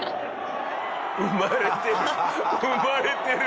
生まれてる！